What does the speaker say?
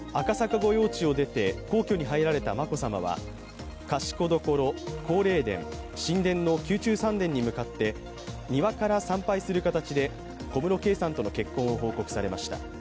御用地を出て皇居に入られた眞子さまは賢所、皇霊殿、神殿の宮中三殿に向かって庭から参拝する形で小室圭さんとの結婚を報告されました。